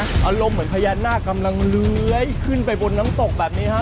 อารมณ์เหมือนพญานาคกำลังเลื้อยขึ้นไปบนน้ำตกแบบนี้ฮะ